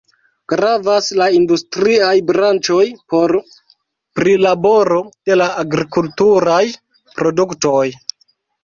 Gravas la industriaj branĉoj por prilaboro de la agrikulturaj produktoj.